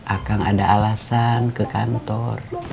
akan ada alasan ke kantor